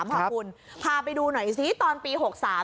ขอพาไปดูหน่อยซิตอนปี